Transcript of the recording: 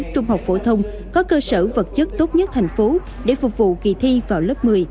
trung học phổ thông có cơ sở vật chất tốt nhất thành phố để phục vụ kỳ thi vào lớp một mươi